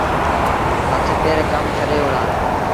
هٿ پير ڪم ڇڏي وهُڙآ۔